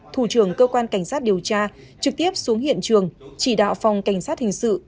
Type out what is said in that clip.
thủ trưởng cơ quan cảnh sát điều tra trực tiếp xuống hiện trường chỉ đạo phòng cảnh sát hình sự